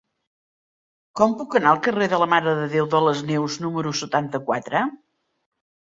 Com puc anar al carrer de la Mare de Déu de les Neus número setanta-quatre?